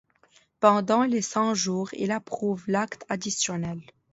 Pendant les Cent-Jours, il approuve l’Acte additionnel.